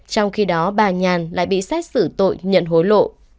trong khi đó bà nhàn lại bị xét xử tội nhận hối lộ